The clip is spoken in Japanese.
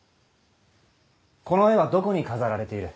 この絵はどこに飾られている？